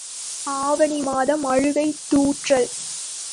ஆவணி மாதம் அழுகைத் தூற்றல்.